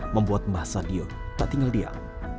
membuat mbah sadio tak tinggal diam